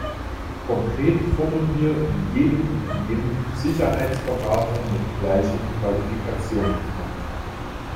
Konkret fordern wir in jedem Unternehmen Sicherheitsberater mit gleichen Qualifikationen.